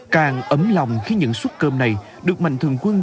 càng ấm lòng khi những suất cơm này được mạnh thường quân